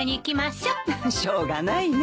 しょうがないね。